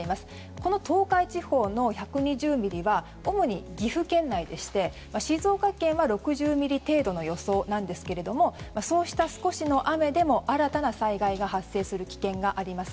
この東海地方の１２０ミリは主に岐阜県内でして静岡県は６０ミリ程度の予想なんですけどもそうした少しの雨でも新たな災害が発生する危険があります。